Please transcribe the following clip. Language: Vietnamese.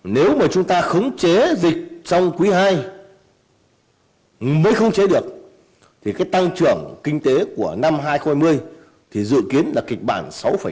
nếu mà chúng ta khống chế dịch trong quý ii mới khống chế được thì cái tăng trưởng kinh tế của năm hai nghìn hai mươi thì dự kiến là kịch bản sáu